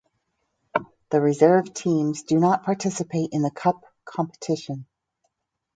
The reserve teams do not participate in the cup competition.